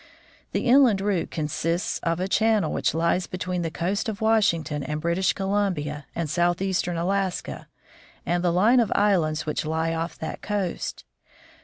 The inland route consists of a channel which lies between the coast of Washington and British Columbia and southeastern Alaska and the line of islands which lie off that coast.